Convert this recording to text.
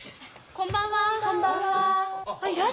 こんばんは！